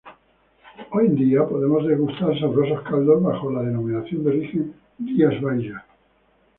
Hoy en día podemos degustar sabrosos caldos bajo la denominación de origen Rías Baixas.